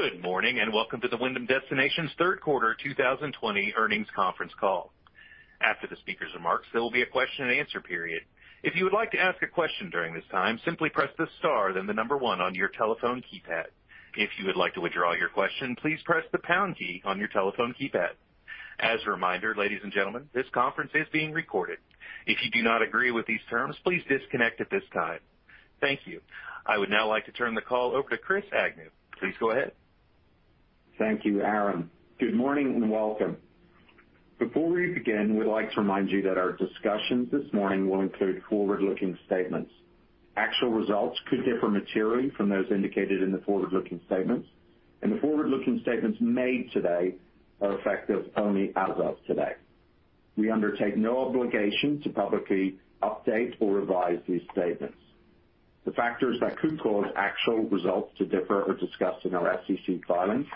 Good morning, and welcome to the Wyndham Destinations Third Quarter 2020 earnings conference call. After the speakers remarks there will be a question and answer period. If you would like to ask a question during this time simply press the star then the number one on your telephone keypad. If you would like to withdraw your question please press the pound key on your telephone keypad. As a reminder ladies and gentlemen this conference is being recorded. If you do not agree with this terms pls disconnect at this time. Thank you. I would now like to turn the call over to Chris Agnew. Please go ahead. Thank you, Aaron. Good morning, and welcome. Before we begin, we'd like to remind you that our discussions this morning will include forward-looking statements. Actual results could differ materially from those indicated in the forward-looking statements. The forward-looking statements made today are effective only as of today. We undertake no obligation to publicly update or revise these statements. The factors that could cause actual results to differ are discussed in our SEC filings.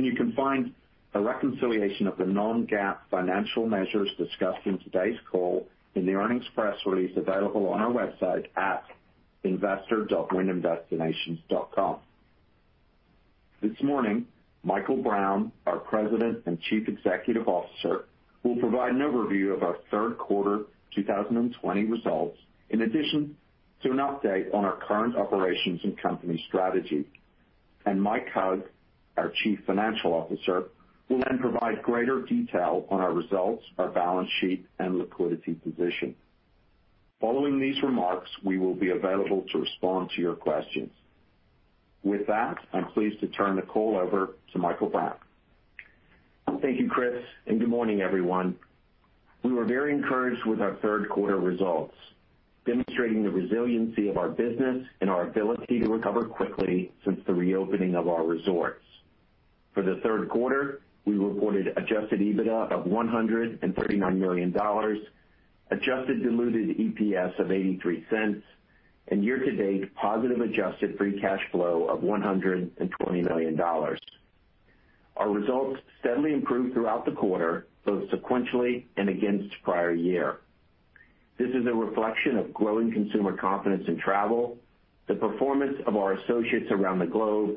You can find a reconciliation of the non-GAAP financial measures discussed in today's call in the earnings press release available on our website at investor.wyndhamdestinations.com. This morning, Michael Brown, our President and Chief Executive Officer, will provide an overview of our third quarter 2020 results, in addition to an update on our current operations and company strategy. Mike Hug, our Chief Financial Officer, will then provide greater detail on our results, our balance sheet, and liquidity position. Following these remarks, we will be available to respond to your questions. With that, I am pleased to turn the call over to Michael Brown. Thank you, Chris, and good morning, everyone. We were very encouraged with our third quarter results, demonstrating the resiliency of our business and our ability to recover quickly since the reopening of our resorts. For the third quarter, we reported adjusted EBITDA of $139 million, adjusted diluted EPS of $0.83, and year-to-date, positive adjusted free cash flow of $120 million. Our results steadily improved throughout the quarter, both sequentially and against prior year. This is a reflection of growing consumer confidence in travel, the performance of our associates around the globe,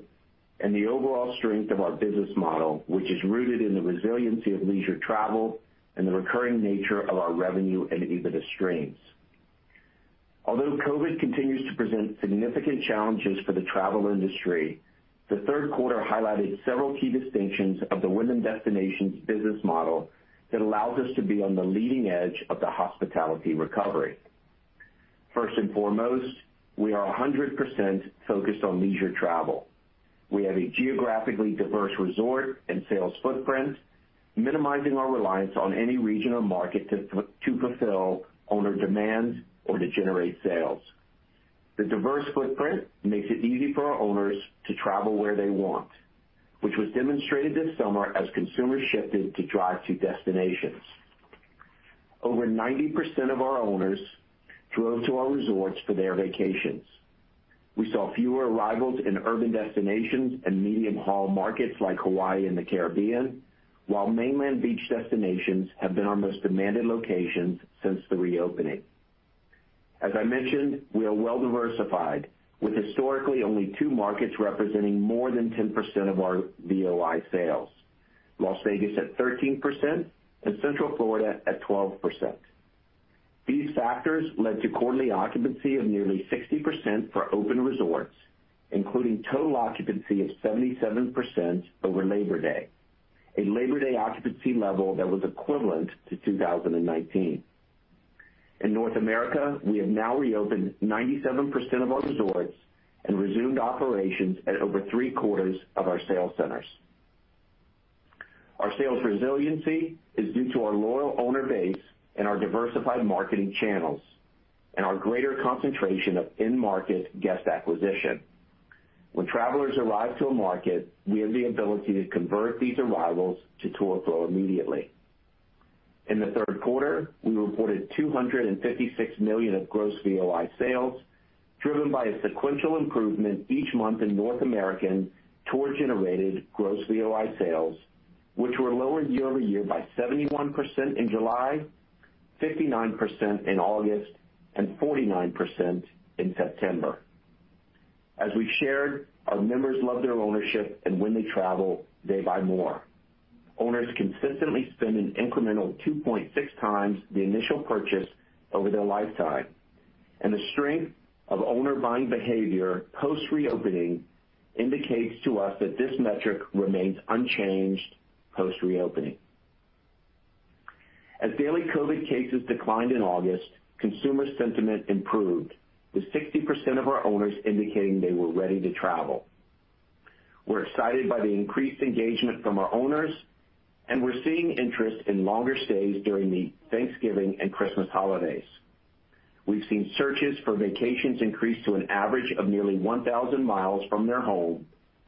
and the overall strength of our business model, which is rooted in the resiliency of leisure travel and the recurring nature of our revenue and EBITDA streams. Although COVID continues to present significant challenges for the travel industry, the third quarter highlighted several key distinctions of the Wyndham Destinations business model that allows us to be on the leading edge of the hospitality recovery. First and foremost, we are 100% focused on leisure travel. We have a geographically diverse resort and sales footprint, minimizing our reliance on any regional market to fulfill owner demands or to generate sales. The diverse footprint makes it easy for our owners to travel where they want, which was demonstrated this summer as consumers shifted to drive to destinations. Over 90% of our owners drove to our resorts for their vacations. We saw fewer arrivals in urban destinations and medium haul markets like Hawaii and the Caribbean, while mainland beach destinations have been our most demanded locations since the reopening. As I mentioned, we are well diversified, with historically only two markets representing more than 10% of our VOI sales, Las Vegas at 13% and Central Florida at 12%. These factors led to quarterly occupancy of nearly 60% for open resorts, including total occupancy of 77% over Labor Day, a Labor Day occupancy level that was equivalent to 2019. In North America, we have now reopened 97% of our resorts and resumed operations at over 3/4 of our sales centers. Our sales resiliency is due to our loyal owner base and our diversified marketing channels and our greater concentration of in-market guest acquisition. When travelers arrive to a market, we have the ability to convert these arrivals to tour flow immediately. In the third quarter, we reported $256 million of gross VOI sales, driven by a sequential improvement each month in North American tour generated gross VOI sales, which were lower year-over-year by 71% in July, 59% in August, and 49% in September. As we shared, our members love their ownership, and when they travel, they buy more. Owners consistently spend an incremental 2.6x the initial purchase over their lifetime, and the strength of owner buying behavior post-reopening indicates to us that this metric remains unchanged post-reopening. As daily COVID cases declined in August, consumer sentiment improved, with 60% of our owners indicating they were ready to travel. We're excited by the increased engagement from our owners, and we're seeing interest in longer stays during the Thanksgiving and Christmas holidays. We've seen searches for vacations increase to an average of nearly 1,000 mi from their home,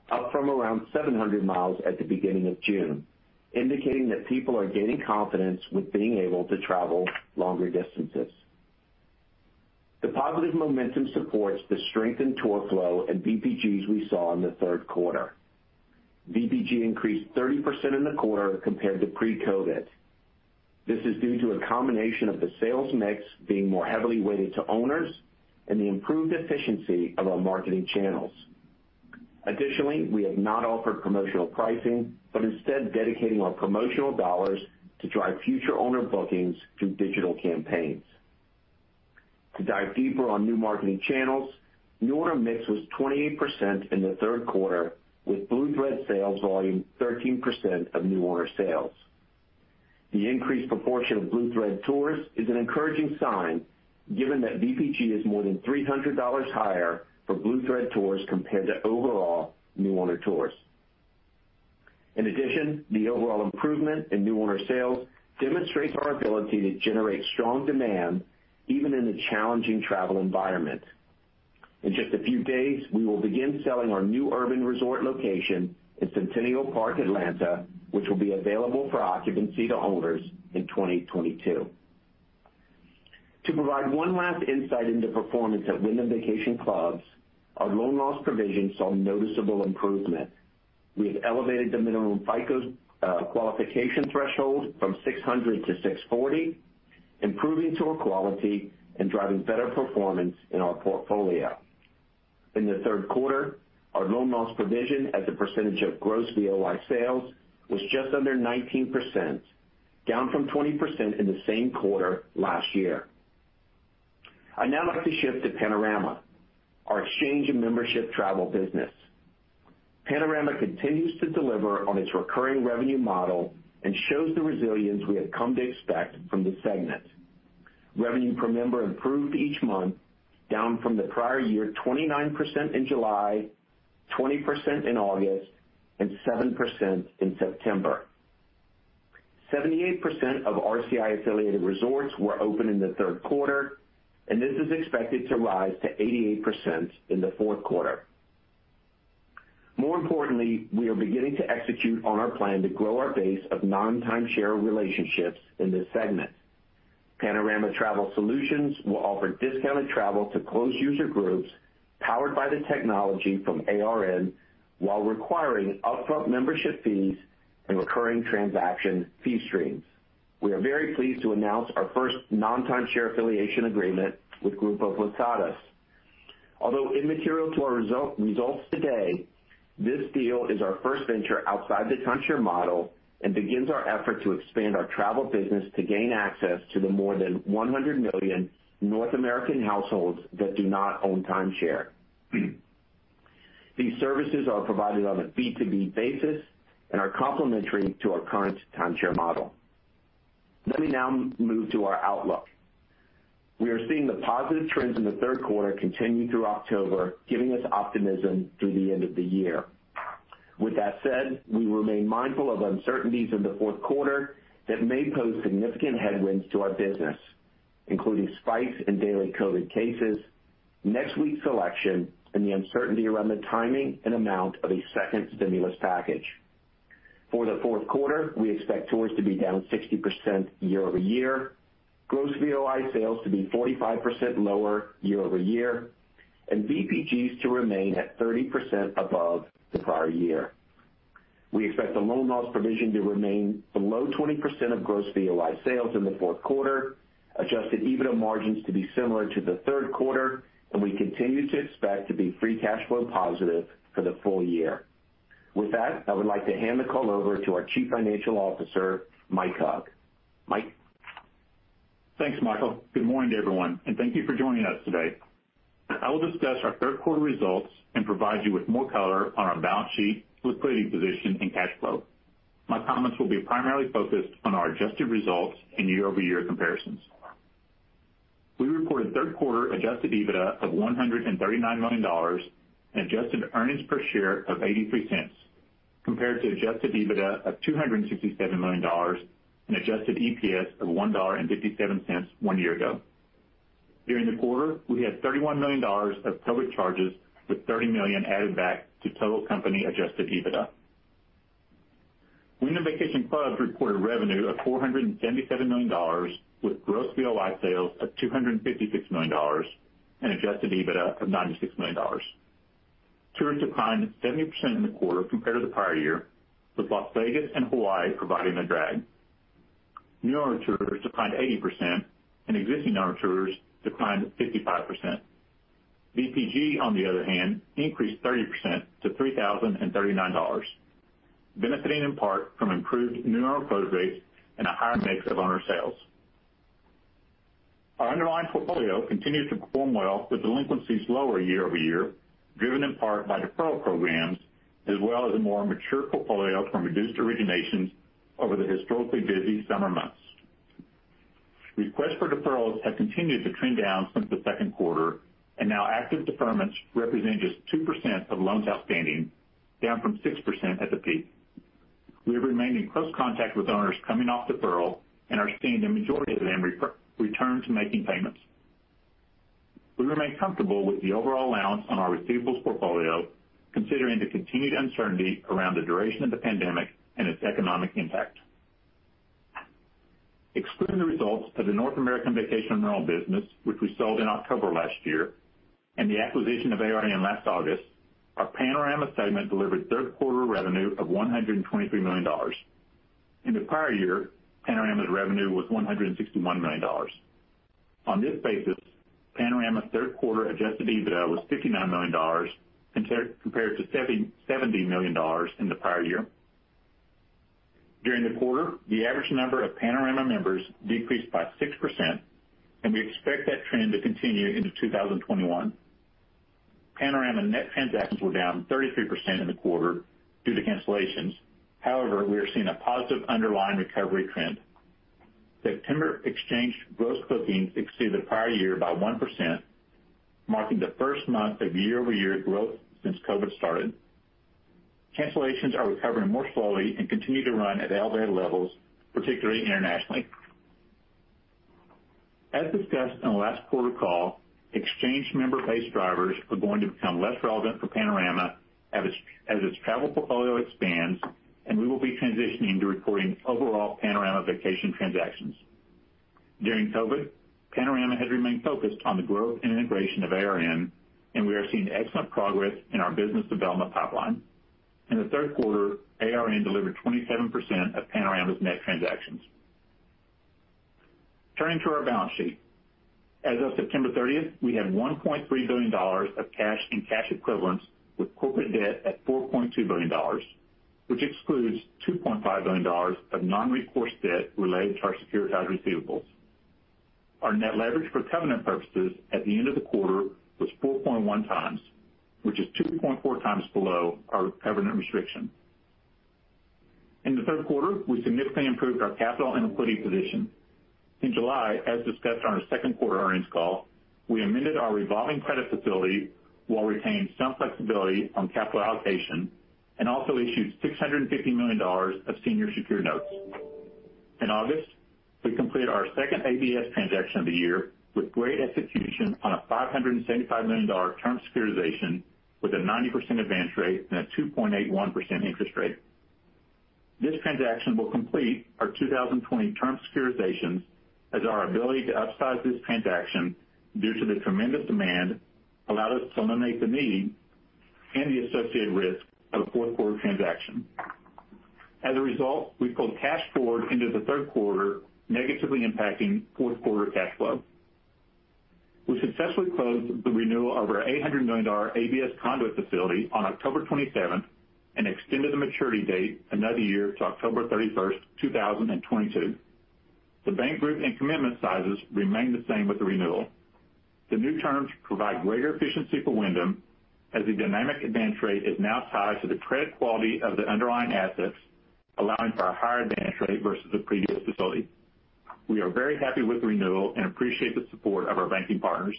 up from around 700 mi at the beginning of June, indicating that people are gaining confidence with being able to travel longer distances. The positive momentum supports the strength in tour flow and VPGs we saw in the third quarter. VPG increased 30% in the quarter compared to pre-COVID. This is due to a combination of the sales mix being more heavily weighted to owners and the improved efficiency of our marketing channels. We have not offered promotional pricing, but instead dedicating our promotional dollars to drive future owner bookings through digital campaigns. To dive deeper on new marketing channels, new owner mix was 28% in the third quarter, with Blue Thread sales volume 13% of new owner sales. The increased proportion of Blue Thread tours is an encouraging sign given that VPG is more than $300 higher for Blue Thread tours compared to overall new owner tours. In addition, the overall improvement in new owner sales demonstrates our ability to generate strong demand even in a challenging travel environment. In just a few days, we will begin selling our new urban resort location in Centennial Park, Atlanta, which will be available for occupancy to owners in 2022. To provide one last insight into performance at Wyndham Vacation Clubs, our loan loss provision saw noticeable improvement. We have elevated the minimum FICO qualification threshold from 600-640, improving tour quality and driving better performance in our portfolio. In the third quarter, our loan loss provision as a percentage of gross VOI sales was just under 19%, down from 20% in the same quarter last year. I'd now like to shift to Panorama, our exchange and membership travel business. Panorama continues to deliver on its recurring revenue model and shows the resilience we have come to expect from this segment. Revenue per member improved each month, down from the prior year 29% in July, 20% in August, and 7% in September. 78% of RCI affiliated resorts were open in the third quarter, and this is expected to rise to 88% in the fourth quarter. More importantly, we are beginning to execute on our plan to grow our base of non-timeshare relationships in this segment. Panorama Travel Solutions will offer discounted travel to closed user groups powered by the technology from ARN, while requiring upfront membership fees and recurring transaction fee streams. We are very pleased to announce our first non-timeshare affiliation agreement with Grupo Posadas. Although immaterial to our results today, this deal is our first venture outside the timeshare model and begins our effort to expand our travel business to gain access to the more than 100 million North American households that do not own timeshare. These services are provided on a B2B basis and are complementary to our current timeshare model. Let me now move to our outlook. We are seeing the positive trends in the third quarter continue through October, giving us optimism through the end of the year. With that said, we remain mindful of uncertainties in the fourth quarter that may pose significant headwinds to our business, including spikes in daily COVID cases, next week's election, and the uncertainty around the timing and amount of a second stimulus package. For the fourth quarter, we expect tours to be down 60% year-over-year, gross VOI sales to be 45% lower year-over-year, and VPGs to remain at 30% above the prior year. We expect the loan loss provision to remain below 20% of gross VOI sales in the fourth quarter, adjusted EBITDA margins to be similar to the third quarter, and we continue to expect to be free cash flow positive for the full year. With that, I would like to hand the call over to our Chief Financial Officer, Mike Hug. Mike? Thanks, Michael. Good morning to everyone, thank you for joining us today. I will discuss our third quarter results and provide you with more color on our balance sheet, liquidity position, and cash flow. My comments will be primarily focused on our adjusted results and year-over-year comparisons. We reported third quarter adjusted EBITDA of $139 million and adjusted earnings per share of $0.83, compared to adjusted EBITDA of $267 million and adjusted EPS of $1.57 one year ago. During the quarter, we had $31 million of COVID charges with $30 million added back to total company adjusted EBITDA. Wyndham Vacation Clubs reported revenue of $477 million with gross VOI sales of $256 million and adjusted EBITDA of $96 million. Tours declined 70% in the quarter compared to the prior year, with Las Vegas and Hawaii providing the drag. New owner tours declined 80% and existing owner tours declined 55%. VPG, on the other hand, increased 30% to $3,039. Benefiting in part from improved new owner close rates and a higher mix of owner sales. Our underlying portfolio continues to perform well with delinquencies lower year-over-year, driven in part by deferral programs as well as a more mature portfolio from reduced originations over the historically busy summer months. Now active deferments represent just 2% of loans outstanding, down from 6% at the peak. We have remained in close contact with owners coming off deferral and are seeing the majority of them return to making payments. We remain comfortable with the overall allowance on our receivables portfolio, considering the continued uncertainty around the duration of the pandemic and its economic impact. Excluding the results of the North American Vacation Rental business, which we sold in October last year, and the acquisition of ARN last August, our Panorama segment delivered third quarter revenue of $123 million. In the prior year, Panorama's revenue was $161 million. On this basis, Panorama's third quarter adjusted EBITDA was $59 million, compared to $70 million in the prior year. During the quarter, the average number of Panorama members decreased by 6%, and we expect that trend to continue into 2021. Panorama net transactions were down 33% in the quarter due to cancellations. However, we are seeing a positive underlying recovery trend. September exchange gross bookings exceeded the prior year by 1%, marking the first month of year-over-year growth since COVID started. Cancellations are recovering more slowly and continue to run at elevated levels, particularly internationally. As discussed on the last quarter call, exchange member base drivers are going to become less relevant for Panorama as its travel portfolio expands, and we will be transitioning to reporting overall Panorama vacation transactions. During COVID, Panorama has remained focused on the growth and integration of ARN, and we are seeing excellent progress in our business development pipeline. In the third quarter, ARN delivered 27% of Panorama's net transactions. Turning to our balance sheet. As of September 30th, we had $1.3 billion of cash and cash equivalents, with corporate debt at $4.2 billion, which excludes $2.5 billion of non-recourse debt related to our securitized receivables. Our net leverage for covenant purposes at the end of the quarter was 4.1x, which is 2.4x below our covenant restriction. In the third quarter, we significantly improved our capital and liquidity position. In July, as discussed on our second quarter earnings call, we amended our revolving credit facility while retaining some flexibility on capital allocation, and also issued $650 million of senior secured notes. In August, we completed our second ABS transaction of the year with great execution on a $575 million term securitization with a 90% advance rate and a 2.81% interest rate. This transaction will complete our 2020 term securitizations as our ability to upsize this transaction, due to the tremendous demand, allowed us to eliminate the need and the associated risk of a fourth quarter transaction. As a result, we pulled cash forward into the third quarter, negatively impacting fourth quarter cash flow. We successfully closed the renewal of our $800 million ABS conduit facility on October 27th and extended the maturity date another year to October 31st, 2022. The bank group and commitment sizes remain the same with the renewal. The new terms provide greater efficiency for Wyndham, as the dynamic advance rate is now tied to the credit quality of the underlying assets, allowing for a higher advance rate versus the previous facility. We are very happy with the renewal and appreciate the support of our banking partners.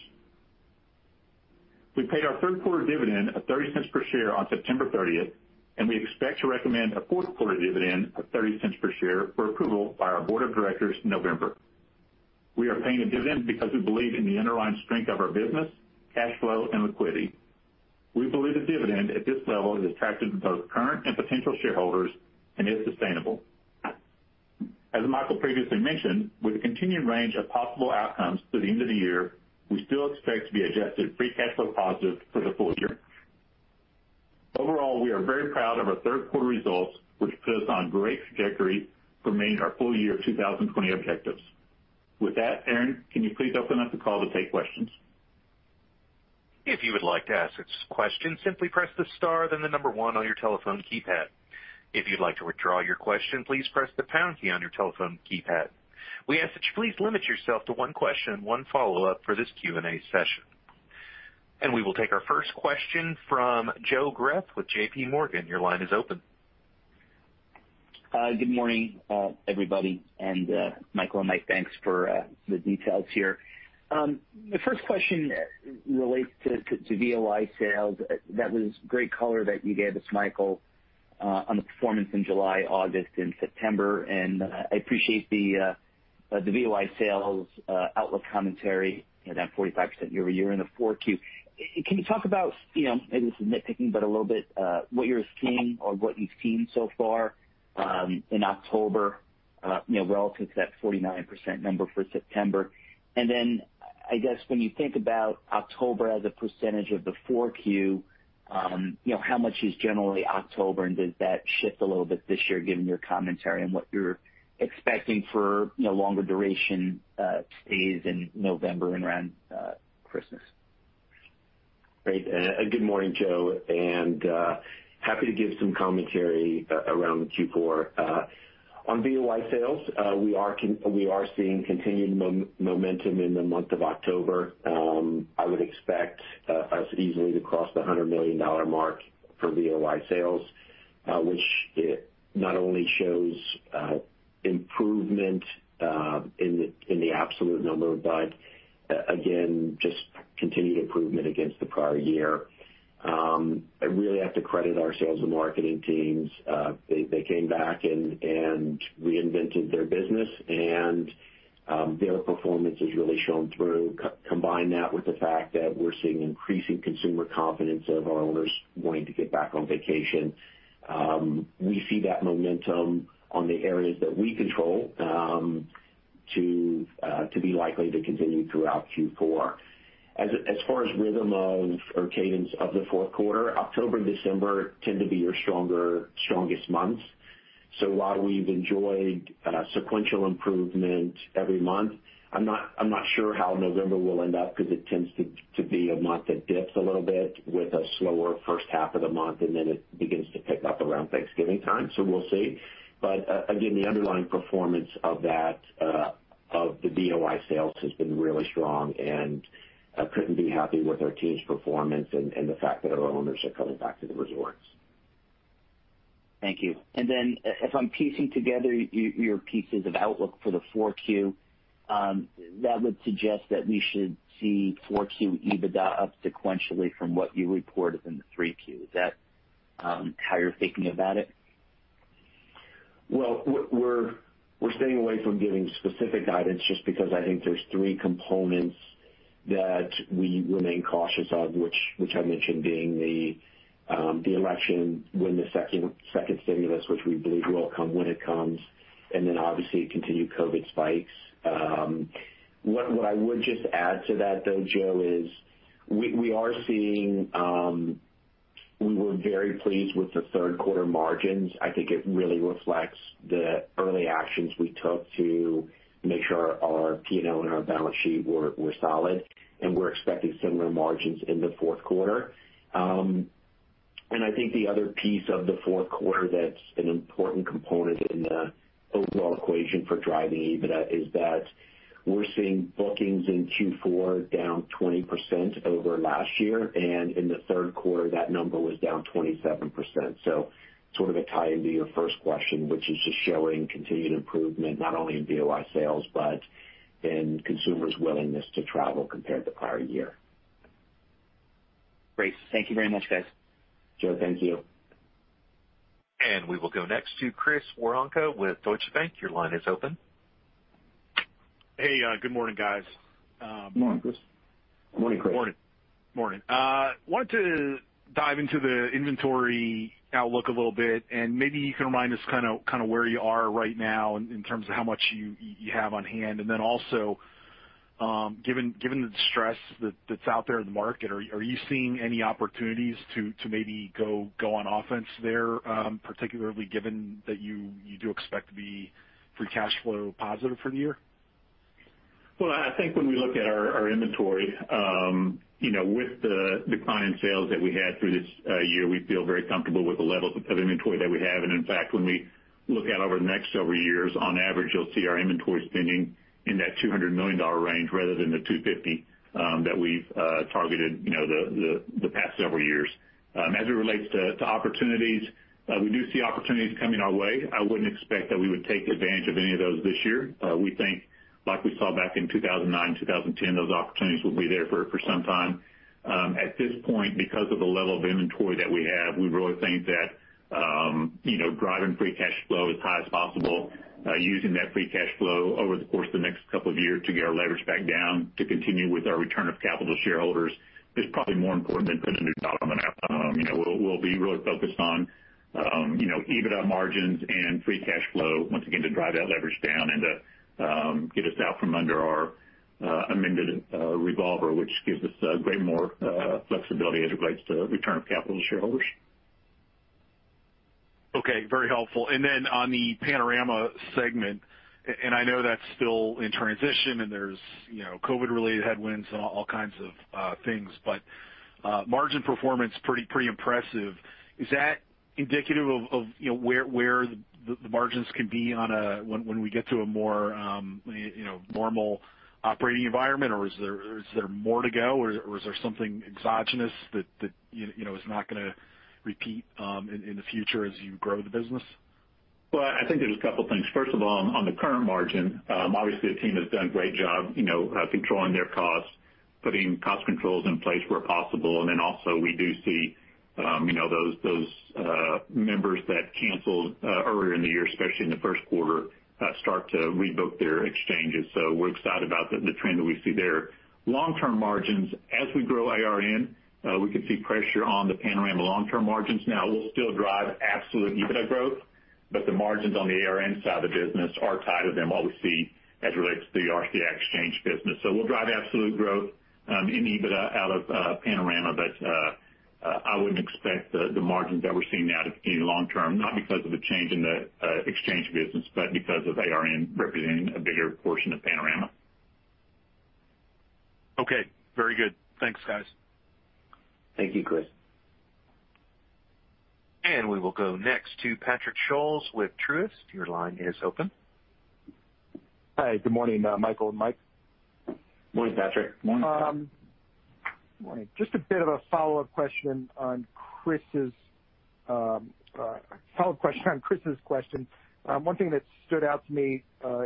We paid our third quarter dividend of $0.30/share on September 30th, and we expect to recommend a fourth quarter dividend of $0.30/share for approval by our Board of Directors in November. We are paying a dividend because we believe in the underlying strength of our business, cash flow and liquidity. We believe the dividend at this level is attractive to both current and potential shareholders and is sustainable. As Michael previously mentioned, with a continuing range of possible outcomes through the end of the year, we still expect to be adjusted free cash flow positive for the full year. Overall, we are very proud of our third quarter results, which puts us on great trajectory to maintain our full year 2020 objectives. With that, Aaron, can you please open up the call to take questions? If you would like to ask a question simply press the star then the number one on your telephone keypad. If you would like to withdraw your question please press the pound key on your telephone keypad. We ask that you please limit yourself to one question and one follow-up for this Q&A session. We will take our first question from Joe Greff with JPMorgan. Your line is open. Good morning, everybody, and Michael and Mike, thanks for the details here. The first question relates to VOI sales. That was great color that you gave us, Michael, on the performance in July, August, and September, and I appreciate the VOI sales outlook commentary and that 45% year-over-year in the 4Q. Can you talk about, maybe this is nitpicking, but a little bit what you're seeing or what you've seen so far in October relative to that 49% number for September? I guess when you think about October as a percentage of the 4Q, how much is generally October? And does that shift a little bit this year given your commentary and what you're expecting for longer duration stays in November and around Christmas? Great. Good morning, Joe, and happy to give some commentary around the Q4. On VOI sales, we are seeing continued momentum in the month of October. I would expect us easily to cross the $100 million mark for VOI sales, which not only shows improvement in the absolute number, but again, just continued improvement against the prior year. I really have to credit our sales and marketing teams. They came back and reinvented their business, and their performance has really shown through. Combine that with the fact that we're seeing increasing consumer confidence of our owners wanting to get back on vacation. We see that momentum on the areas that we control. To be likely to continue throughout Q4. Far as rhythm of, or cadence of the fourth quarter, October, December tend to be your strongest months. While we've enjoyed sequential improvement every month, I'm not sure how November will end up because it tends to be a month that dips a little bit with a slower first half of the month, and then it begins to pick up around Thanksgiving time. We'll see. Again, the underlying performance of the VOI sales has been really strong, and I couldn't be happier with our team's performance and the fact that our owners are coming back to the resorts. Thank you. Then if I'm piecing together your pieces of outlook for the 4Q, that would suggest that we should see 4Q EBITDA up sequentially from what you reported in the 3Q. Is that how you're thinking about it? We're staying away from giving specific guidance just because I think there's three components that we remain cautious of, which I mentioned being the election, when the second stimulus, which we believe will come when it comes, and obviously continued COVID spikes. What I would just add to that though, Joe, is we were very pleased with the third quarter margins. I think it really reflects the early actions we took to make sure our P&L and our balance sheet were solid, and we're expecting similar margins in the fourth quarter. I think the other piece of the fourth quarter that's an important component in the overall equation for driving EBITDA is that we're seeing bookings in Q4 down 20% over last year, and in the third quarter, that number was down 27%. Sort of to tie into your first question, which is just showing continued improvement, not only in VOI sales but in consumers' willingness to travel compared to prior year. Great. Thank you very much, guys. Joe, thank you. We will go next to Chris Woronka with Deutsche Bank. Your line is open. Hey, good morning, guys. Morning, Chris. Morning, Chris. Morning. I wanted to dive into the inventory outlook a little bit, and maybe you can remind us where you are right now in terms of how much you have on hand. Also, given the distress that's out there in the market, are you seeing any opportunities to maybe go on offense there, particularly given that you do expect to be free cash flow positive for the year? I think when we look at our inventory, with the decline in sales that we had through this year, we feel very comfortable with the levels of inventory that we have. In fact, when we look out over the next several years, on average, you'll see our inventory spending in that $200 million range rather than the $250 million that we've targeted the past several years. As it relates to opportunities, we do see opportunities coming our way. I wouldn't expect that we would take advantage of any of those this year. We think, like we saw back in 2009, 2010, those opportunities will be there for some time. At this point, because of the level of inventory that we have, we really think that driving free cash flow as high as possible, using that free cash flow over the course of the next couple of years to get our leverage back down to continue with our return of capital to shareholders is probably more important than putting a new dollar on the map. We'll be really focused on EBITDA margins and free cash flow once again to drive that leverage down and to get us out from under our amended revolver, which gives us a great more flexibility as it relates to return of capital to shareholders. Okay. Very helpful. Then on the Panorama segment, I know that's still in transition and there's COVID-related headwinds and all kinds of things, margin performance, pretty impressive. Is that indicative of where the margins can be when we get to a more normal operating environment or is there more to go or is there something exogenous that is not going to repeat in the future as you grow the business? Well, I think there's a couple things. First of all, on the current margin, obviously the team has done a great job controlling their costs, putting cost controls in place where possible, and then also we do see those members that canceled earlier in the year, especially in the first quarter, start to rebook their exchanges. We're excited about the trend that we see there. Long-term margins, as we grow ARN, we could see pressure on the Panorama long-term margins. We'll still drive absolute EBITDA growth, the margins on the ARN side of the business are tighter than what we see as relates to the RCI Exchange business. We'll drive absolute growth in EBITDA out of Panorama, but I wouldn't expect the margins that we're seeing now to continue long term, not because of a change in the exchange business, but because of ARN representing a bigger portion of Panorama. Okay. Very good. Thanks, guys. Thank you, Chris. We will go next to Patrick Scholes with Truist. Your line is open. Hi. Good morning, Michael and Mike. Morning, Patrick. Morning. Morning. Just a bit of a follow-up question on Chris's question. One thing that stood out to me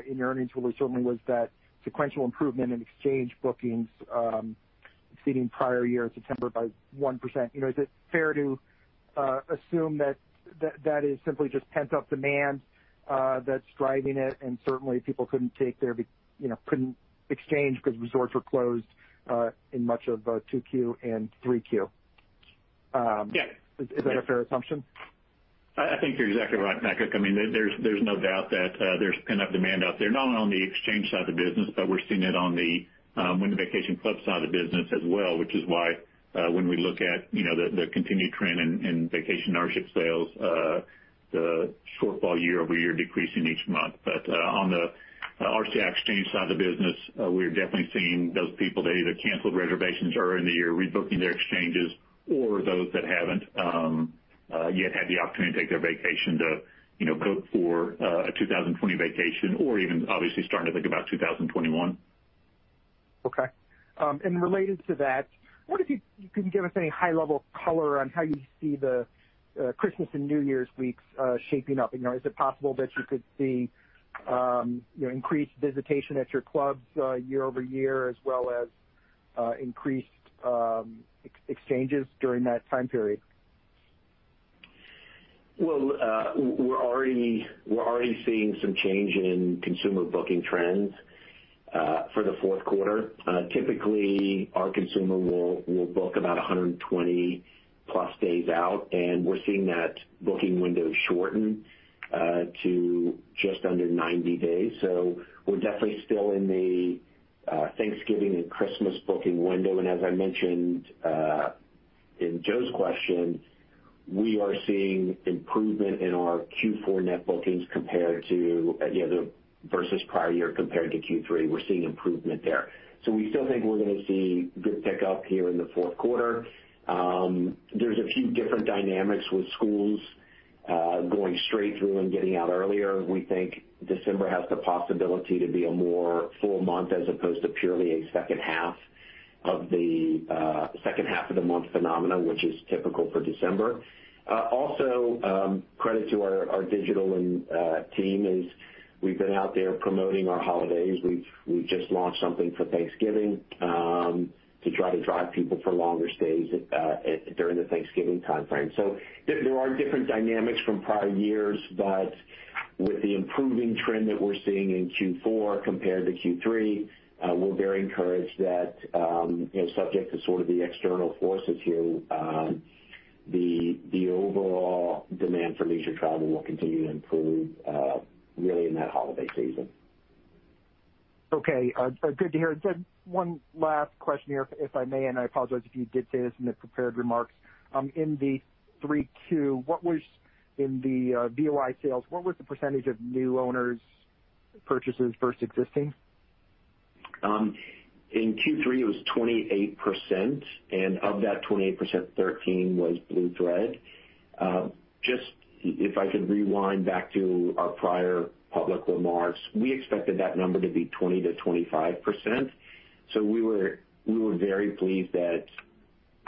in your earnings release, certainly, was that sequential improvement in exchange bookings exceeding prior year at September by 1%. Is it fair to assume that is simply just pent-up demand that's driving it, and certainly people couldn't exchange because resorts were closed in much of 2Q and 3Q? Yes. Is that a fair assumption? I think you're exactly right, Patrick. There's no doubt that there's pent-up demand out there, not only on the exchange side of the business, but we're seeing it on the Vacation Club side of the business as well, which is why when we look at the continued trend in vacation ownership sales, the shortfall year-over-year decreasing each month. On the RCI Exchange side of the business, we're definitely seeing those people that either canceled reservations earlier in the year rebooking their exchanges, or those that haven't yet had the opportunity to take their vacation to book for a 2020 vacation or even obviously starting to think about 2021. Okay. Related to that, I wonder if you can give us any high-level color on how you see the Christmas and New Year's weeks shaping up. Is it possible that you could see increased visitation at your clubs year-over-year as well as increased exchanges during that time period? We're already seeing some change in consumer booking trends for the fourth quarter. Typically, our consumer will book about 120+ days out, and we're seeing that booking window shorten to just under 90 days. We're definitely still in the Thanksgiving and Christmas booking window, and as I mentioned in Joe's question, we are seeing improvement in our Q4 net bookings versus prior year compared to Q3. We're seeing improvement there. We still think we're going to see good pickup here in the fourth quarter. There's a few different dynamics with schools going straight through and getting out earlier. We think December has the possibility to be a more full month as opposed to purely a second half of the month phenomenon, which is typical for December. Credit to our digital team is we've been out there promoting our holidays. We just launched something for Thanksgiving to try to drive people for longer stays during the Thanksgiving timeframe. There are different dynamics from prior years, but with the improving trend that we're seeing in Q4 compared to Q3, we're very encouraged that subject to sort of the external forces here, the overall demand for leisure travel will continue to improve really in that holiday season. Okay. Good to hear. One last question here, if I may, and I apologize if you did say this in the prepared remarks. In the 3Q, in the VOI sales, what was the percentage of new owners purchases versus existing? In Q3, it was 28%, and of that 28%, 13% was Blue Thread. If I could rewind back to our prior public remarks, we expected that number to be 20%-25%. We were very pleased that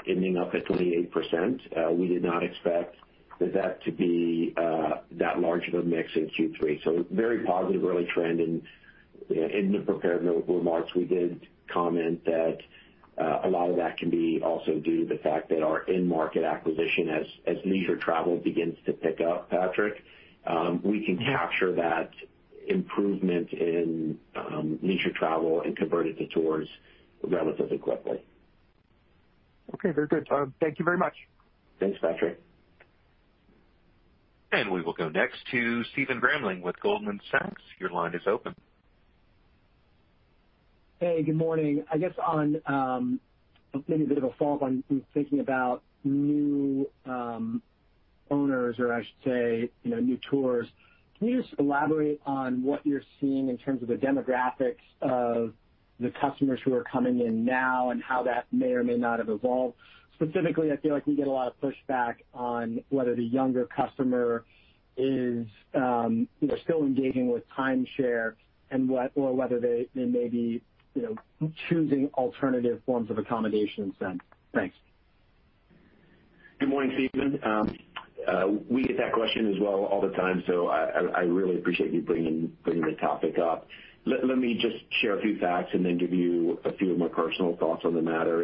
it ended up at 28%. We did not expect that to be that large of a mix in Q3. Very positive early trend. In the prepared remarks, we did comment that a lot of that can be also due to the fact that our in-market acquisition, as leisure travel begins to pick up, Patrick, we can capture that improvement in leisure travel and convert it to tours relatively quickly. Okay. Very good. Thank you very much. Thanks, Patrick. We will go next to Stephen Grambling with Goldman Sachs. Your line is open. Hey, good morning. I guess on maybe a bit of a follow-up on thinking about new owners, or I should say new tours. Can you just elaborate on what you're seeing in terms of the demographics of the customers who are coming in now and how that may or may not have evolved? Specifically, I feel like we get a lot of pushback on whether the younger customer is still engaging with timeshare or whether they may be choosing alternative forms of accommodation instead. Thanks. Good morning, Stephen. We get that question as well all the time. I really appreciate you bringing the topic up. Let me just share a few facts and then give you a few of my personal thoughts on the matter.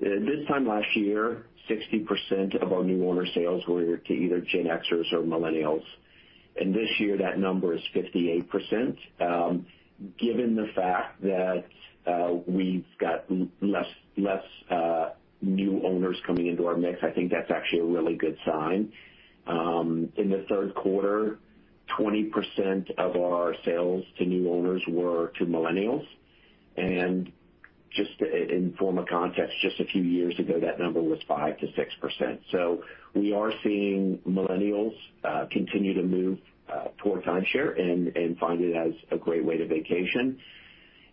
This time last year, 60% of our new owner sales were to either Gen Xers or Millennials. This year that number is 58%. Given the fact that we've got less new owners coming into our mix, I think that's actually a really good sign. In the third quarter, 20% of our sales to new owners were to Millennials. Just in form of context, just a few years ago, that number was 5%-6%. We are seeing Millennials continue to move toward timeshare and find it as a great way to vacation.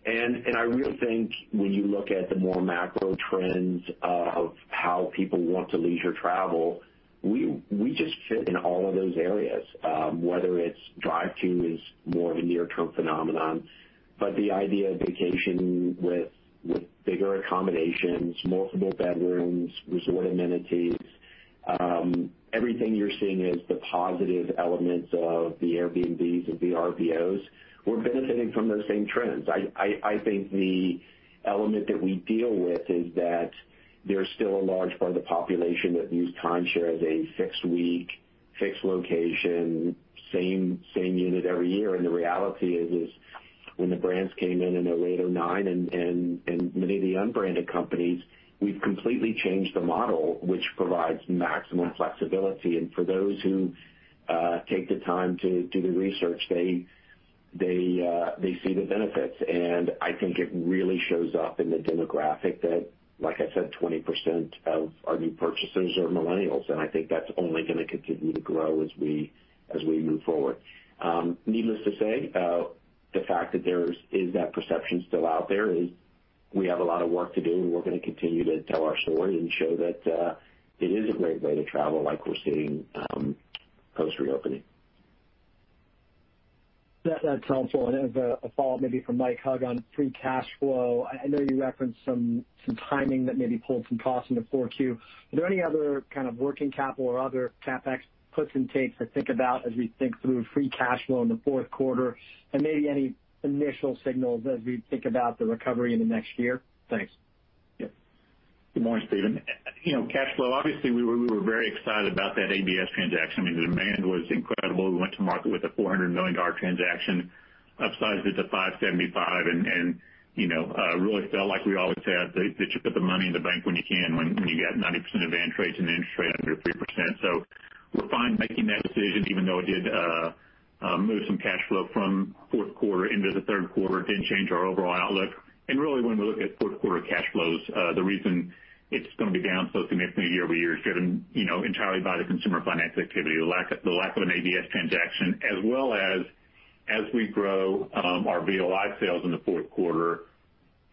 I really think when you look at the more macro trends of how people want to leisure travel, we just fit in all of those areas. Whether it's drive to is more of a near-term phenomenon, but the idea of vacation with bigger accommodations, multiple bedrooms, resort amenities everything you're seeing as the positive elements of the Airbnbs and VRBOs, we're benefiting from those same trends. I think the element that we deal with is that there's still a large part of the population that views timeshare as a fixed week. Fixed location, same unit every year. The reality is when the brands came in in 2008, 2009, and many of the unbranded companies, we've completely changed the model, which provides maximum flexibility. For those who take the time to do the research, they see the benefits. I think it really shows up in the demographic that, like I said, 20% of our new purchasers are Millennials, and I think that's only going to continue to grow as we move forward. Needless to say, the fact that there is that perception still out there is, we have a lot of work to do, and we're going to continue to tell our story and show that it is a great way to travel like we're seeing post reopening. That's helpful. As a follow-up, maybe for Mike Hug on free cash flow, I know you referenced some timing that maybe pulled some costs into 4Q. Are there any other kind of working capital or other CapEx puts and takes to think about as we think through free cash flow in the fourth quarter? Maybe any initial signals as we think about the recovery in the next year? Thanks. Good morning, Stephen. Cash flow, obviously, we were very excited about that ABS transaction. I mean, the demand was incredible. We went to market with a $400 million transaction, upsized it to $575 million, really felt like we always said, that you put the money in the bank when you can, when you get 90% advance rates and the interest rate under 3%. We're fine making that decision, even though it did move some cash flow from fourth quarter into the third quarter, didn't change our overall outlook. Really, when we look at fourth quarter cash flows, the reason it's going to be down so significantly year-over-year is driven entirely by the consumer finance activity, the lack of an ABS transaction, as well as we grow our VOI sales in the fourth quarter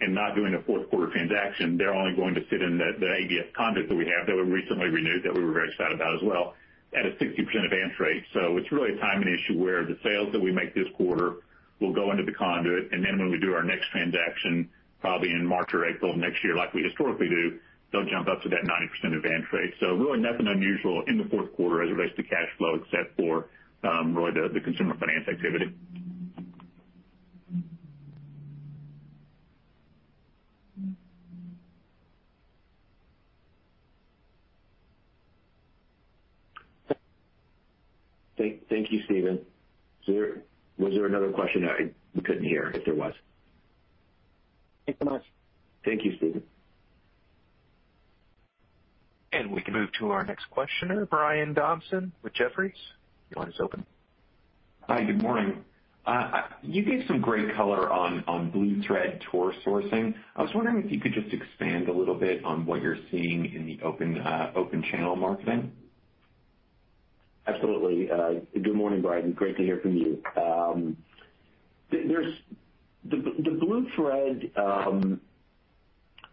and not doing a fourth quarter transaction, they're only going to sit in the ABS conduit that we have that we recently renewed, that we were very excited about as well, at a 60% advance rate. It's really a timing issue where the sales that we make this quarter will go into the conduit, and then when we do our next transaction, probably in March or April of next year, like we historically do, they'll jump up to that 90% advance rate. Really nothing unusual in the fourth quarter as it relates to cash flow except for really the consumer finance activity. Thank you, Stephen. Was there another question? I couldn't hear if there was. Thanks so much. Thank you, Stephen. We can move to our next questioner, Brian Dobson with Jefferies. Your line is open. Hi, good morning. You gave some great color on Blue Thread tour sourcing. I was wondering if you could just expand a little bit on what you're seeing in the open channel marketing? Absolutely. Good morning, Brian. Great to hear from you. The Blue Thread,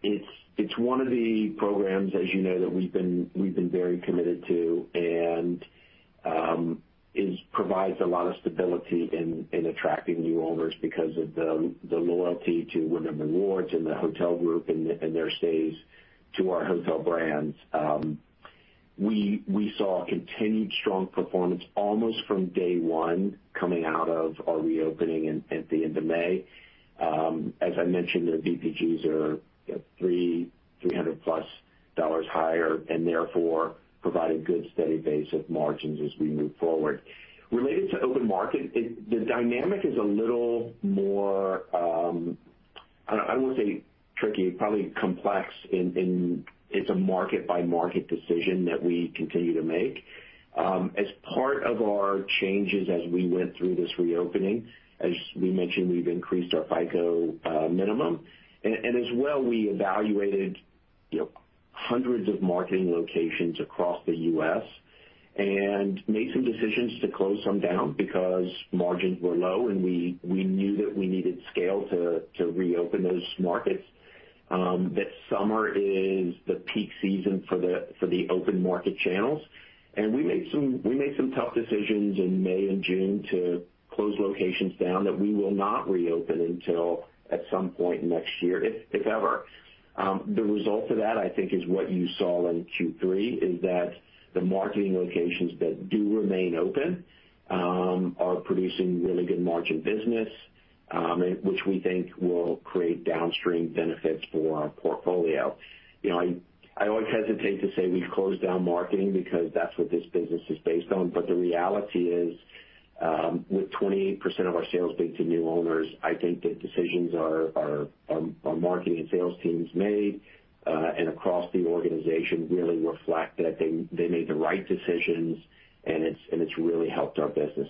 it's one of the programs, as you know, that we've been very committed to, and it provides a lot of stability in attracting new owners because of the loyalty to Wyndham Rewards and the hotel group and their stays to our hotel brands. We saw continued strong performance almost from day one coming out of our reopening at the end of May. As I mentioned, their VPGs are $300+ higher and therefore provide a good steady base of margins as we move forward. Related to open market, the dynamic is a little more, I won't say tricky, probably complex in it's a market by market decision that we continue to make. As part of our changes as we went through this reopening, as we mentioned, we've increased our FICO minimum, and as well, we evaluated hundreds of marketing locations across the U.S. and made some decisions to close some down because margins were low, and we knew that we needed scale to reopen those markets. That summer is the peak season for the open market channels. We made some tough decisions in May and June to close locations down that we will not reopen until at some point next year, if ever. The result of that, I think, is what you saw in Q3, is that the marketing locations that do remain open are producing really good margin business, which we think will create downstream benefits for our portfolio. I always hesitate to say we've closed down marketing because that's what this business is based on. The reality is, with 28% of our sales being to new owners, I think the decisions our marketing and sales teams made and across the organization really reflect that they made the right decisions, and it's really helped our business.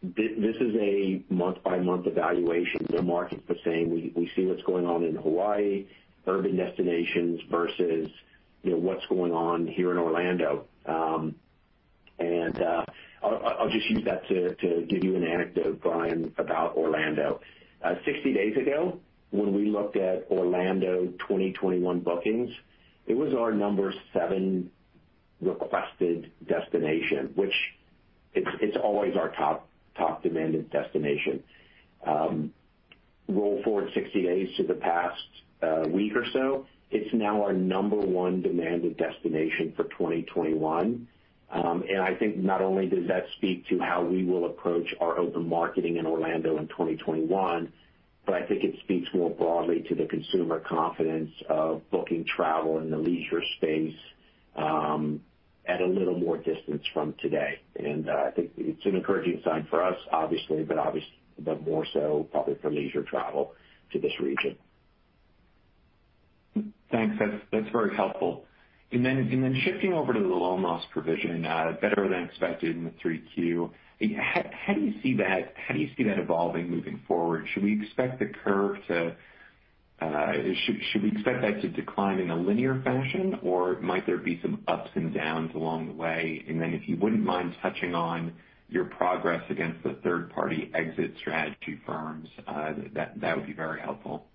This is a month-by-month evaluation. The markets are saying, we see what's going on in Hawaii, urban destinations versus what's going on here in Orlando. I'll just use that to give you an anecdote, Brian, about Orlando. 60 days ago, when we looked at Orlando 2021 bookings, it was our number seven requested destination, which it's always our top demanded destination. Roll forward 60 days to the past week or so, it's now our number one demanded destination for 2021. I think not only does that speak to how we will approach our open marketing in Orlando in 2021. I think it speaks more broadly to the consumer confidence of booking travel in the leisure space at a little more distance from today. I think it's an encouraging sign for us, obviously, but more so probably for leisure travel to this region. Thanks. That's very helpful. Shifting over to the loan loss provision, better than expected in the 3Q. How do you see that evolving moving forward? Should we expect the curve to decline in a linear fashion, or might there be some ups and downs along the way? If you wouldn't mind touching on your progress against the third-party exit strategy firms, that would be very helpful.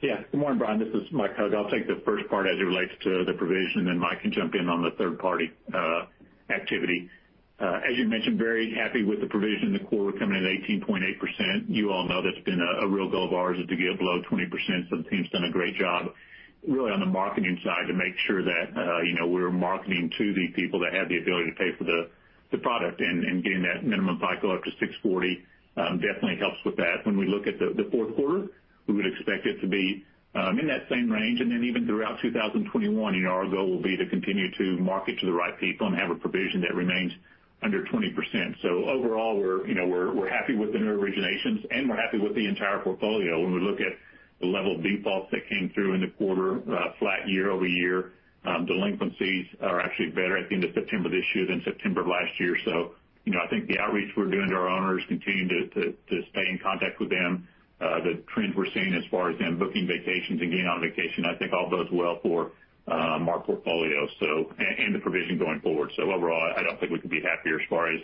Yeah. Good morning, Brian. This is Mike Hug. I'll take the first part as it relates to the provision, and then Mike can jump in on the third party activity. As you mentioned, very happy with the provision in the quarter coming in at 18.8%. You all know that's been a real goal of ours is to get below 20%. The team's done a great job really on the marketing side to make sure that we're marketing to the people that have the ability to pay for the product and getting that minimum FICO up to 640 definitely helps with that. When we look at the fourth quarter, we would expect it to be in that same range. Even throughout 2021, our goal will be to continue to market to the right people and have a provision that remains under 20%. Overall, we're happy with the new originations, and we're happy with the entire portfolio. When we look at the level of defaults that came through in the quarter, flat year-over-year, delinquencies are actually better at the end of September this year than September of last year. I think the outreach we're doing to our owners, continuing to stay in contact with them. The trends we're seeing as far as them booking vacations and getting on vacation, I think all bodes well for our portfolio, and the provision going forward. overall, I don't think we could be happier as far as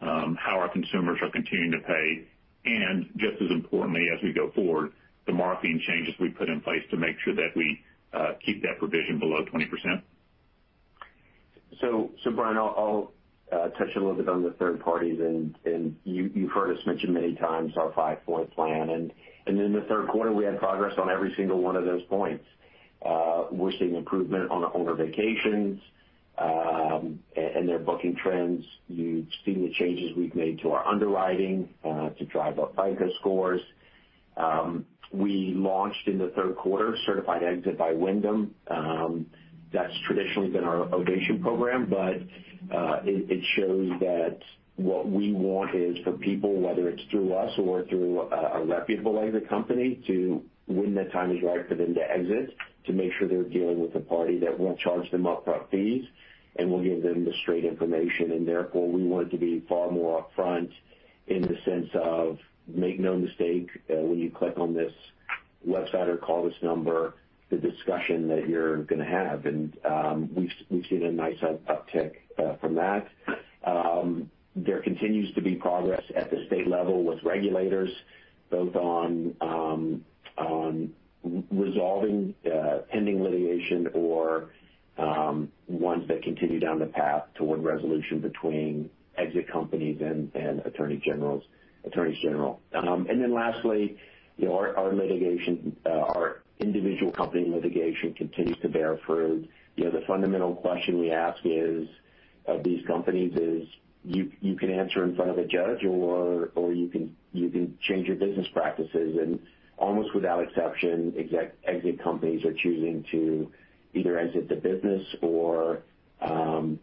how our consumers are continuing to pay. just as importantly, as we go forward, the marketing changes we put in place to make sure that we keep that provision below 20%. Brian, I'll touch a little bit on the third parties and you've heard us mention many times our five-point plan. In the third quarter, we had progress on every single one of those points. We're seeing improvement on owner vacations, and their booking trends. You've seen the changes we've made to our underwriting to drive up FICO scores. We launched in the third quarter Certified Exit by Wyndham. That's traditionally been our Ovation program, but it shows that what we want is for people, whether it's through us or through a reputable exit company, to when the time is right for them to exit, to make sure they're dealing with a party that won't charge them upfront fees and will give them the straight information. Therefore, we want to be far more upfront in the sense of make no mistake when you click on this website or call this number, the discussion that you're going to have. We've seen a nice uptick from that. There continues to be progress at the state level with regulators, both on resolving pending litigation or ones that continue down the path toward resolution between exit companies and attorneys general. Lastly, our individual company litigation continues to bear fruit. The fundamental question we ask of these companies is you can answer in front of a judge or you can change your business practices. Almost without exception, exit companies are choosing to either exit the business or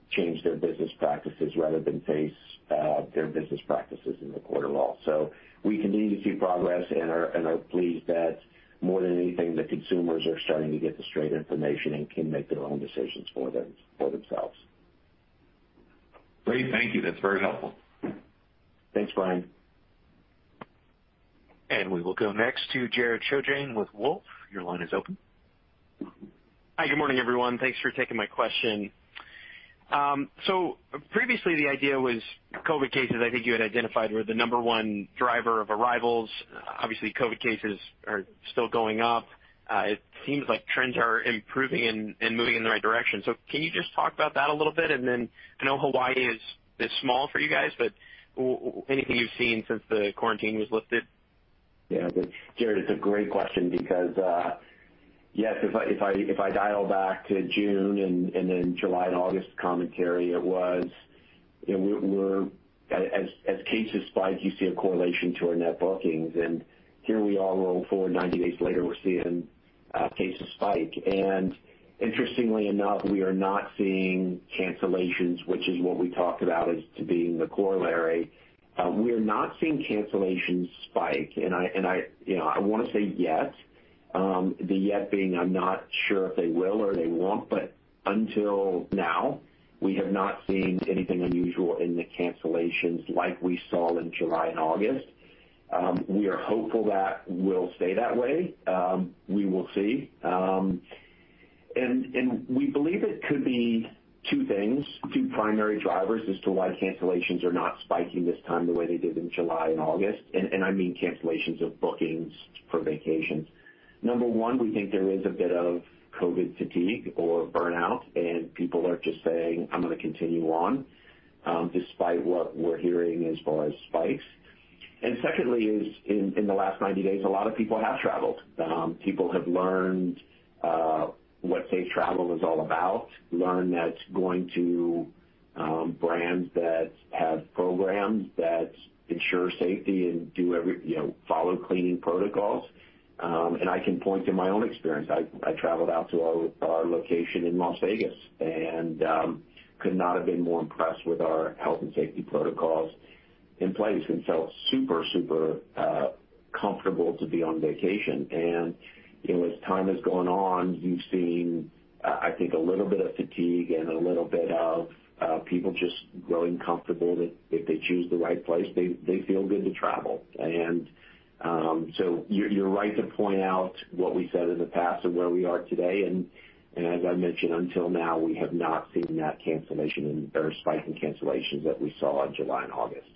change their business practices rather than face their business practices in the court of law. We continue to see progress and are pleased that more than anything, the consumers are starting to get the straight information and can make their own decisions for themselves. Great. Thank you. That's very helpful. Thanks, Brian. We will go next to Jared Shojaian with Wolfe. Your line is open. Hi. Good morning, everyone. Thanks for taking my question. Previously the idea was COVID cases, I think you had identified, were the number one driver of arrivals. Obviously, COVID cases are still going up. It seems like trends are improving and moving in the right direction. Can you just talk about that a little bit? I know Hawaii is small for you guys, but anything you've seen since the quarantine was lifted? Yeah. Jared, it's a great question because yes, if I dial back to June and then July and August commentary, as cases spike, you see a correlation to our net bookings. Here we are, roll forward 90 days later, we're seeing cases spike. Interestingly enough, we are not seeing cancellations, which is what we talked about as to being the corollary. We are not seeing cancellations spike. I want to say yet. The yet being I'm not sure if they will or they won't, but until now, we have not seen anything unusual in the cancellations like we saw in July and August. We are hopeful that will stay that way. We will see. We believe it could be two things, two primary drivers as to why cancellations are not spiking this time the way they did in July and August. I mean cancellations of bookings for vacations. Number one, we think there is a bit of COVID fatigue or burnout, and people are just saying, I'm going to continue on, despite what we're hearing as far as spikes. Secondly is in the last 90 days, a lot of people have traveled. People have learned what safe travel is all about, learned that going to brands that have programs that ensure safety and follow cleaning protocols. I can point to my own experience. I traveled out to our location in Las Vegas and could not have been more impressed with our health and safety protocols in place, and felt super comfortable to be on vacation. As time has gone on, you've seen, I think, a little bit of fatigue and a little bit of people just growing comfortable that if they choose the right place, they feel good to travel. You're right to point out what we said in the past and where we are today, and as I mentioned, until now, we have not seen that spike in cancellations that we saw in July and August.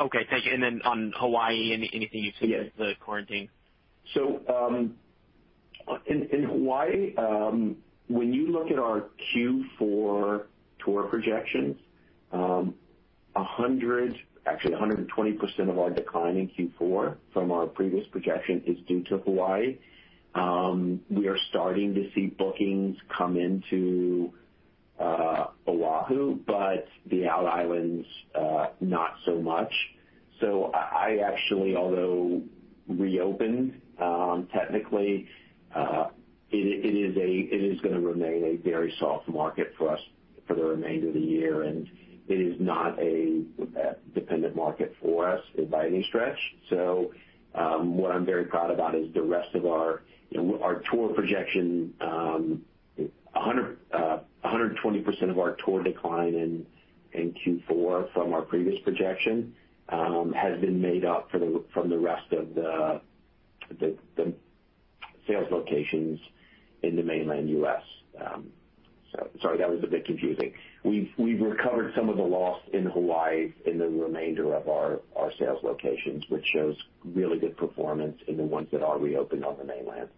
Okay. Thank you. On Hawaii, anything you can say about the quarantine? In Hawaii, when you look at our Q4 tour projections, actually, 120% of our decline in Q4 from our previous projection is due to Hawaii. We are starting to see bookings come into Oahu, but the outer islands, not so much. Actually, although reopened, technically, it is going to remain a very soft market for us for the remainder of the year, and it is not a dependent market for us by any stretch. What I'm very proud about is our tour projection, 120% of our tour decline in Q4 from our previous projection has been made up from the rest of the sales locations in the Mainland U.S. Sorry, that was a bit confusing. We've recovered some of the loss in Hawaii in the remainder of our sales locations, which shows really good performance in the ones that are reopened on the Mainland.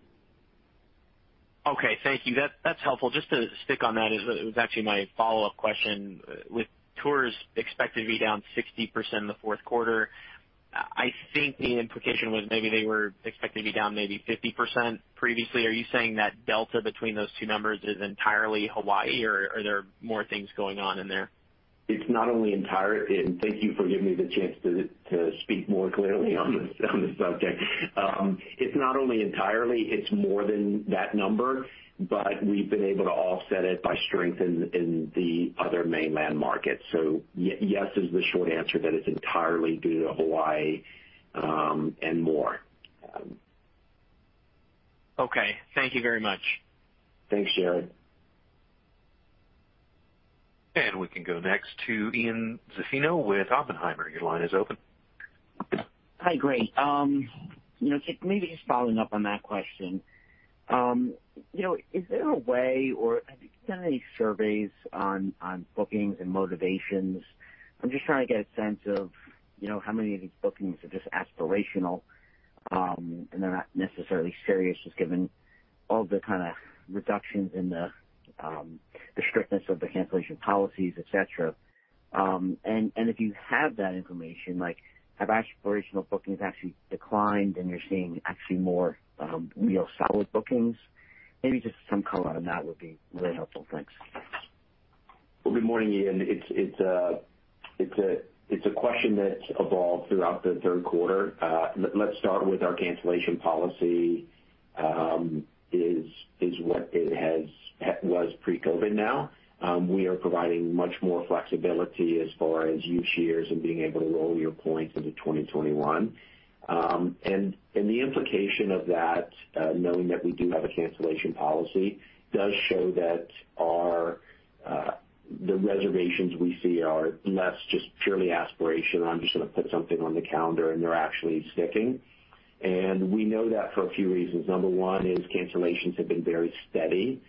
Okay. Thank you. That's helpful. Just to stick on that, it was actually my follow-up question. With tours expected to be down 60% in the fourth quarter, I think the implication was maybe they were expecting to be down maybe 50% previously. Are you saying that delta between those two numbers is entirely Hawaii? Or are there more things going on in there? Thank you for giving me the chance to speak more clearly on the subject. It's not only entirely, it's more than that number. We've been able to offset it by strength in the other Mainland markets. Yes is the short answer that it's entirely due to Hawaii and more. Okay. Thank you very much. Thanks, Jared. We can go next to Ian Zaffino with Oppenheimer. Your line is open. Hi. Great. Maybe just following up on that question. Is there a way or have you done any surveys on bookings and motivations? I'm just trying to get a sense of how many of these bookings are just aspirational and they're not necessarily serious, just given all the kind of reductions in the strictness of the cancellation policies, et cetera. If you have that information, have aspirational bookings actually declined and you're seeing actually more real solid bookings? Maybe just some color on that would be really helpful. Thanks. Well, good morning, Ian. It's a question that's evolved throughout the third quarter. Let's start with our cancellation policy is what it was pre-COVID now. We are providing much more flexibility as far as use years and being able to roll your points into 2021. The implication of that, knowing that we do have a cancellation policy, does show that the reservations we see are less just purely aspirational, I'm just going to put something on the calendar, and they're actually sticking. We know that for a few reasons. Number one is cancellations have been very steady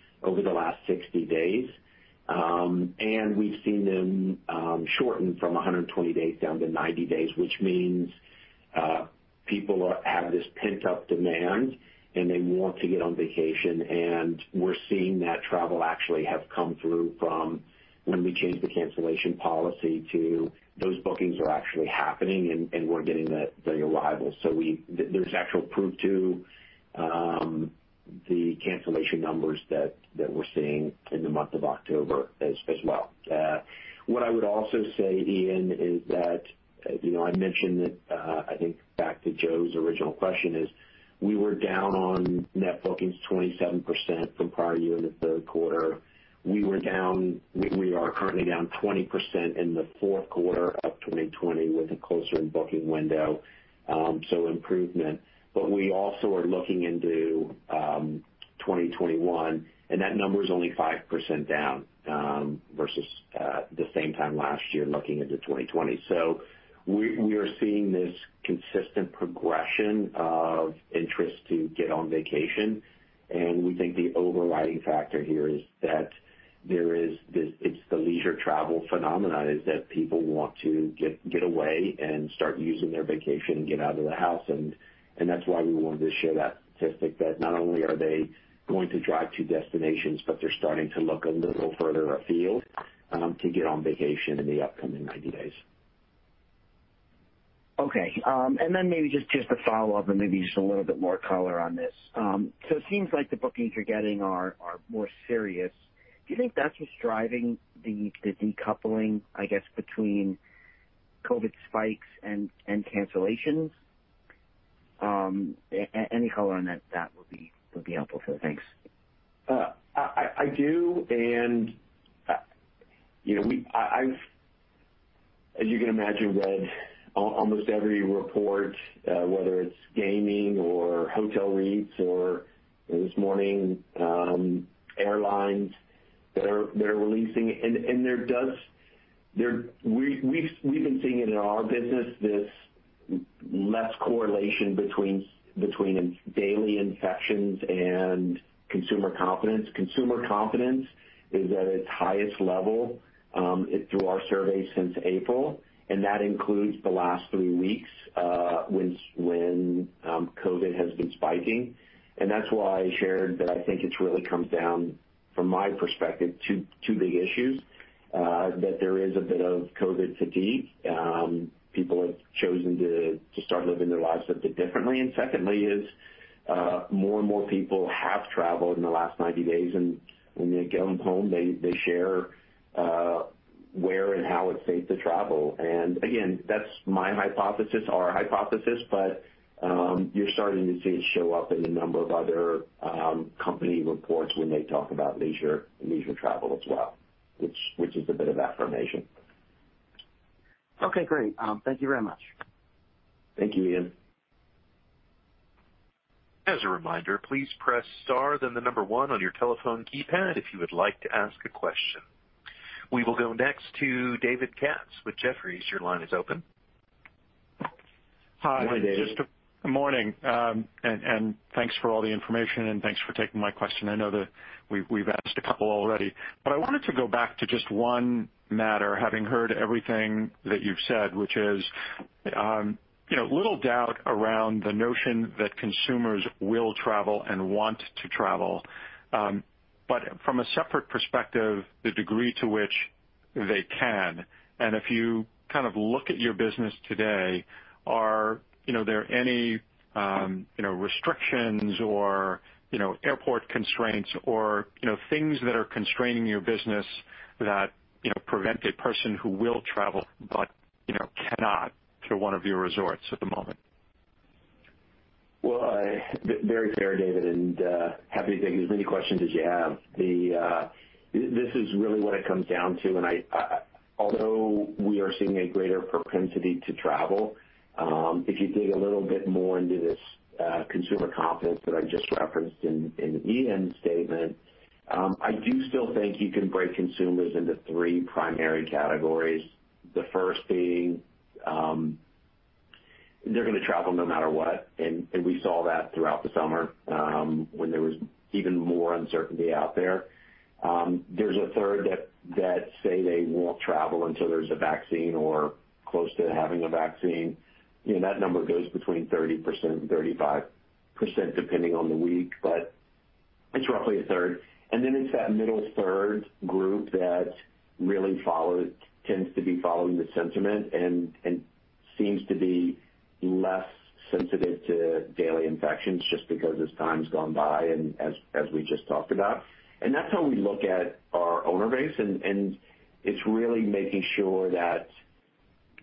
over the last 60 days. We've seen them shorten from 120 days down to 90 days, which means people have this pent-up demand and they want to get on vacation, and we're seeing that travel actually have come through from when we changed the cancellation policy to those bookings are actually happening and we're getting the arrival. There's actual proof to the cancellation numbers that we're seeing in the month of October as well. What I would also say, Ian, is that I mentioned that, I think back to Joe's original question, is we were down on net bookings 27% from prior year in the third quarter. We are currently down 20% in the fourth quarter of 2020 with a closer booking window, so improvement. We also are looking into 2021, and that number is only 5% down versus the same time last year looking into 2020. We are seeing this consistent progression of interest to get on vacation. We think the overriding factor here is that it's the leisure travel phenomenon. Is that people want to get away and start using their vacation, get out of the house. That's why we wanted to share that statistic, that not only are they going to drive to destinations, but they're starting to look a little further afield to get on vacation in the upcoming 90 days. Okay. Maybe just a follow-up and maybe just a little bit more color on this. It seems like the bookings you're getting are more serious. Do you think that's what's driving the decoupling, I guess, between COVID spikes and cancellations? Any color on that will be helpful. Thanks. I do, as you can imagine, read almost every report, whether it's gaming or hotel REITs or this morning, airlines that are releasing. We've been seeing it in our business, this less correlation between daily infections and consumer confidence. Consumer confidence is at its highest level, through our surveys since April, and that includes the last three weeks, when COVID has been spiking. That's why I shared that I think it really comes down, from my perspective, two big issues. That there is a bit of COVID fatigue. People have chosen to start living their lives a bit differently. Secondly is, more and more people have traveled in the last 90 days, and when they get home, they share where and how it's safe to travel. Again, that's my hypothesis, our hypothesis, but you're starting to see it show up in a number of other company reports when they talk about leisure and leisure travel as well, which is a bit of affirmation. Okay, great. Thank you very much. Thank you, Ian. As a reminder, please press star then the number one on your telephone keypad if you would like to ask a question. We will go next to David Katz with Jefferies. Your line is open. Hi, David. Morning, thanks for all the information and thanks for taking my question. I know that we've asked a couple already. I wanted to go back to just one matter, having heard everything that you've said, which is, little doubt around the notion that consumers will travel and want to travel. From a separate perspective, the degree to which they can, and if you kind of look at your business today, are there any restrictions or airport constraints or things that are constraining your business that prevent a person who will travel but cannot to one of your resorts at the moment? Well, very fair, David, and happy to take as many questions as you have. This is really what it comes down to, and although we are seeing a greater propensity to travel, if you dig a little bit more into this consumer confidence that I just referenced in Ian's statement, I do still think you can break consumers into three primary categories. The first being, they're going to travel no matter what, and we saw that throughout the summer, when there was even more uncertainty out there. There's 1/3 that say they won't travel until there's a vaccine or close to having a vaccine. That number goes between 30% and 35%, depending on the week, but it's roughly 1/3. It's that middle third group that really tends to be following the sentiment and seems to be less sensitive to daily infections just because as time's gone by and as we just talked about. That's how we look at our owner base, and it's really making sure that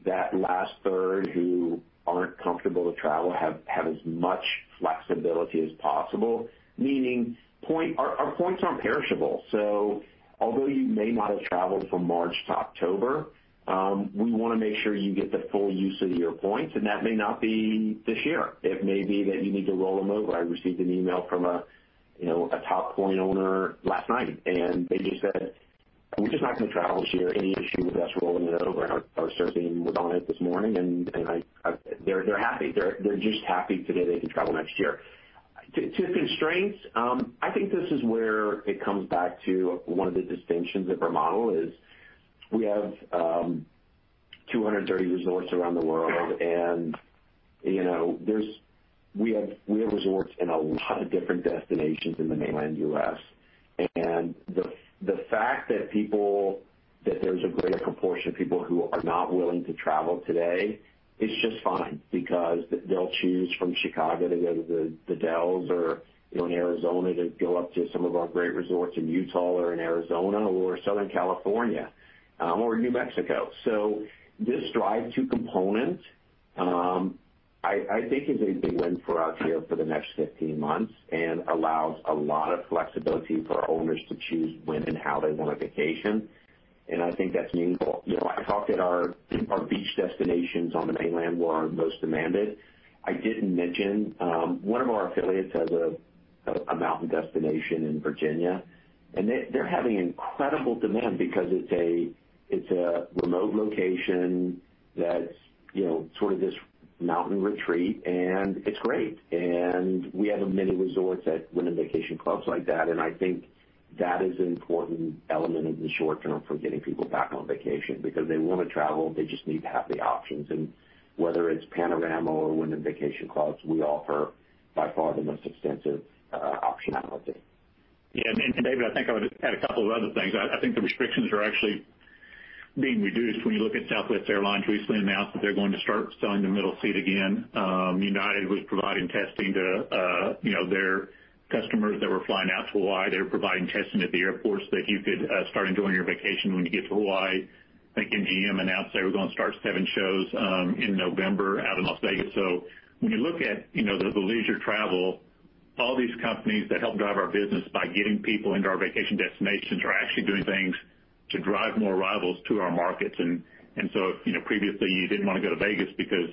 that last third who aren't comfortable to travel have as much flexibility as possible, meaning our points aren't perishable. Although you may not have traveled from March to October, we want to make sure you get the full use of your points, and that may not be this year. It may be that you need to roll them over. I received an email from a top point owner last night, and they just said, we're just not going to travel this year. Any issue with us rolling it over? I was searching with Ana this morning, and they're happy. They're just happy to know they can travel next year. To constraints, I think this is where it comes back to one of the distinctions at Wyndham is we have 230 resorts around the world, and we have resorts in a lot of different destinations in the Mainland U.S. The fact that there's a greater proportion of people who are not willing to travel today is just fine because they'll choose from Chicago to go to The Dells or in Arizona to go up to some of our great resorts in Utah or in Arizona or Southern California, or New Mexico. This drive to component, I think is a big win for us here for the next 15 months and allows a lot of flexibility for our owners to choose when and how they want a vacation. I think that's meaningful. I talked at our beach destinations on the mainland were our most demanded. I didn't mention, one of our affiliates has a mountain destination in Virginia, and they're having incredible demand because it's a remote location that's sort of this mountain retreat, and it's great. We have many resorts at Wyndham Vacation Clubs like that, and I think that is an important element in the short term for getting people back on vacation because they want to travel. They just need to have the options, and whether it's Panorama and Vacation Clubs, we offer by far the most extensive optionality. Yeah. David, I think I would add a couple of other things. I think the restrictions are actually being reduced. When you look at Southwest Airlines recently announced that they're going to start selling the middle seat again. United was providing testing to their customers that were flying out to Hawaii. They were providing testing at the airports that you could start enjoying your vacation when you get to Hawaii. I think MGM announced they were going to start seven shows in November out in Las Vegas. When you look at the leisure travel, all these companies that help drive our business by getting people into our vacation destinations are actually doing things to drive more arrivals to our markets. Previously, you didn't want to go to Vegas because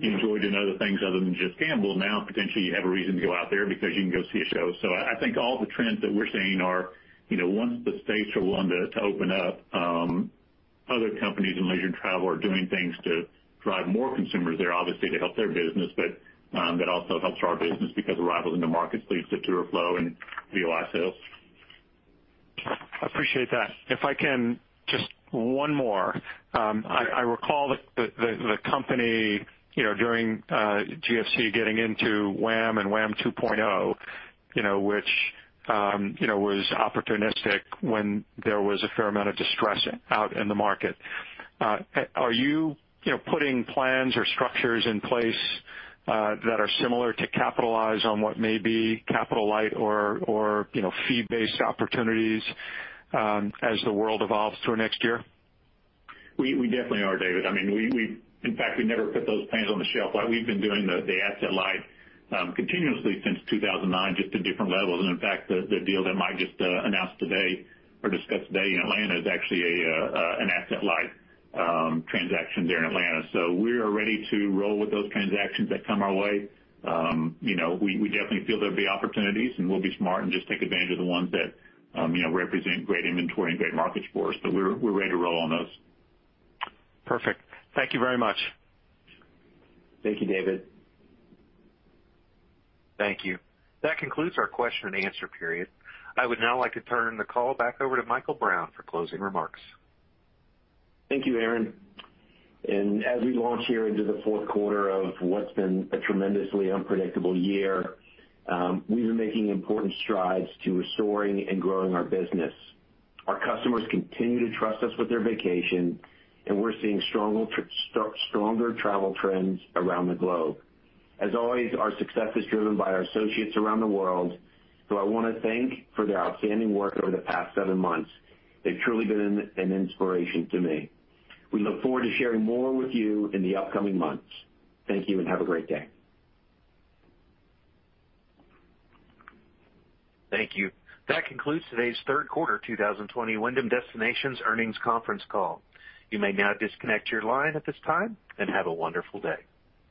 you enjoyed doing other things other than just gamble. Now, potentially, you have a reason to go out there because you can go see a show. I think all the trends that we're seeing are once the states are willing to open up, other companies in leisure and travel are doing things to drive more consumers there, obviously to help their business. That also helps our business because arrivals into markets leads to tour flow and VOI sales. I appreciate that. If I can, just one more. I recall the company during GFC getting into WAAM and WAAM 2.0, which was opportunistic when there was a fair amount of distress out in the market. Are you putting plans or structures in place that are similar to capitalize on what may be capital light or fee-based opportunities as the world evolves through next year? We definitely are, David. In fact, we never put those plans on the shelf. We've been doing the asset light continuously since 2009, just at different levels. In fact, the deal that Mike just announced today or discussed today in Atlanta is actually an asset light transaction there in Atlanta. We are ready to roll with those transactions that come our way. We definitely feel there'll be opportunities, and we'll be smart and just take advantage of the ones that represent great inventory and great markets for us. We're ready to roll on those. Perfect. Thank you very much. Thank you, David. Thank you. That concludes our question and answer period. I would now like to turn the call back over to Michael Brown for closing remarks. Thank you, Aaron. As we launch here into the fourth quarter of what's been a tremendously unpredictable year, we've been making important strides to restoring and growing our business. Our customers continue to trust us with their vacation, we're seeing stronger travel trends around the globe. As always, our success is driven by our associates around the world, who I want to thank for their outstanding work over the past seven months. They've truly been an inspiration to me. We look forward to sharing more with you in the upcoming months. Thank you, have a great day. Thank you. That concludes today's third quarter 2020 Wyndham Destinations earnings conference call. You may now disconnect your line at this time, and have a wonderful day.